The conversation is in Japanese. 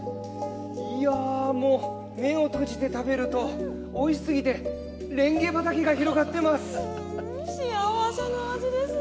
いやぁもう目を閉じて食べるとおいし過ぎてれんげ畑が広がってます！